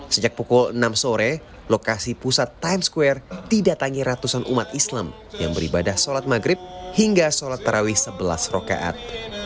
sejak pukul enam sore lokasi pusat time square didatangi ratusan umat islam yang beribadah sholat maghrib hingga sholat tarawih sebelas rokaat